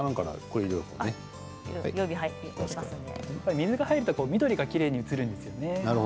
水が入ると緑がきれいに映るんですよね。